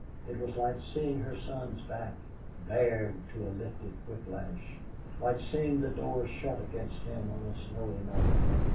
It was like seeing her son's back bared to a lifted whip lash; like seeing the door shut against him on a snowy night.